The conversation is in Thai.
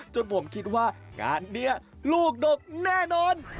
จนผมคิดว่างานนี้ลูกดกแน่นอน